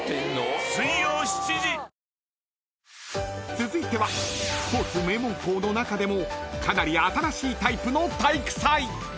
［続いてはスポーツ名門校の中でもかなり新しいタイプの体育祭］